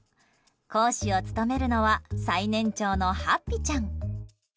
講師を務めるのは最年長のはっぴちゃん。